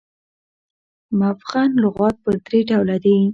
مفغن لغات پر درې ډوله دي.